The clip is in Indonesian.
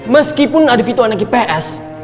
meskipun nadif itu anak ips